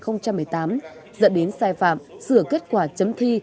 năm hai nghìn một mươi tám dẫn đến sai phạm sửa kết quả chấm thi